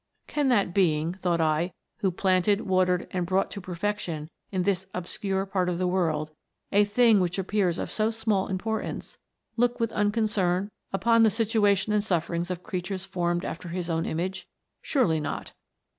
" Can that Being, thought I, who planted, watered, and brought to perfection, in this obscure part of the world, a thing which appears of so small importance, look with unconcern upon the situation and sufferings of creatures formed after his own image? Surely not!